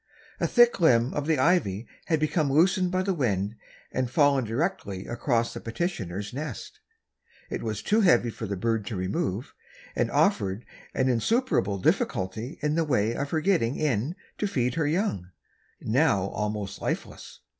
A thick limb of the ivy had become loosened by the wind, and fallen directly across the petitioner's nest. It was too heavy for the bird to remove, and offered an insuperable difficulty in the way of her getting in to feed her young—now almost lifeless.